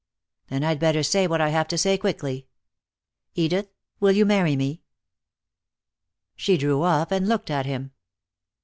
"Then I'd better say what I have to say quickly. Edith, will you marry me?" She drew off and looked at him.